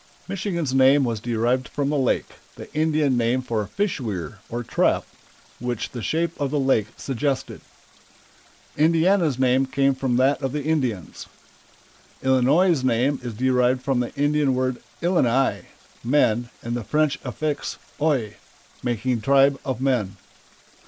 Michigan's name was derived from the lake, the Indian name for fish weir or trap, which the shape of the lake suggested. Indiana's name came from that of the Indians. Illinois' name is derived from the Indian word "Illini" (men) and the French affix "ois," making "tribe of men."